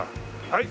はい。